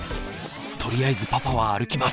とりあえずパパは歩きます。